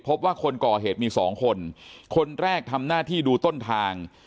คนก่อเหตุมีสองคนคนแรกทำหน้าที่ดูต้นทาง